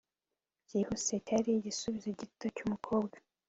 Byihuse cyari igisubizo gito cyumukobwa